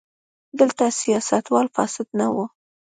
دلته سیاستوال فاسد نه وو.